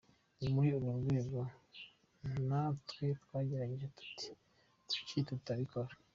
Ni muri urwo rwego natwe twategereje tuti ni kuki tutabikora!”.